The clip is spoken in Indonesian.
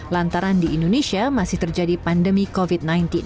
lantaran di indonesia masih terjadi pandemi covid sembilan belas